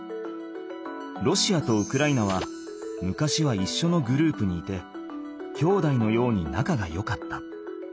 ロシアとウクライナは昔はいっしょのグループにいてきょうだいのようになかがよかった。